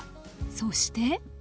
そして。